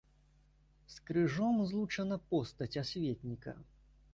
З крыжом злучана постаць асветніка.